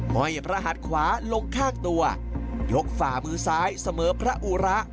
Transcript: ห้อยพระหัดขวาลงข้างตัวยกฝ่ามือซ้ายเสมอพระอุระ